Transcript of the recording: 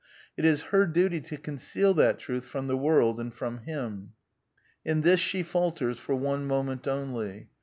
It is her duty to conceal that truth from the world and from him. In this she falters for one moment only.